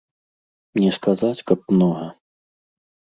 Не сказаць, каб многа.